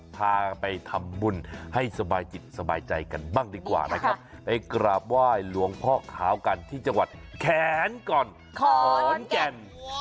พาไปทำบุญให้สบายจิตสบายใจกันบ้างดีกว่านะครับไปกราบไหว้หลวงพ่อขาวกันที่จังหวัดแขนก่อนขอนแก่น